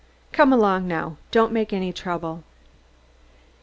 Come along, now; don't make any trouble."